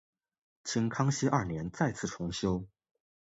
清康熙二年再次重修。